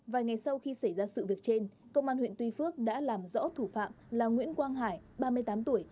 vài ngày sau khi xảy ra sự việc trên công an huyện tuy phước đã làm rõ thủ phạm là nguyễn quang hải ba mươi tám tuổi